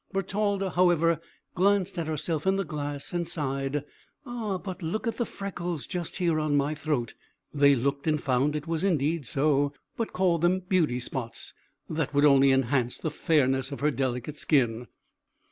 Bertalda, however, glanced at herself in the glass, and sighed: "Ah, but look at the freckles just here, on my throat!" They looked and found it was indeed so, but called them beauty spots that would only enhance the fairness of her delicate skin.